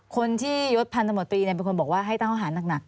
คนที่ยศพันธมตรีเนี่ยเป็นคนบอกว่าให้ตั้งอาหารหนัก